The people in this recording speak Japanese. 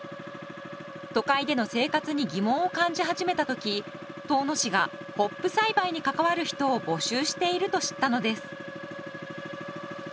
都会での生活に疑問を感じ始めた時遠野市がホップ栽培に関わる人を募集していると知ったのです。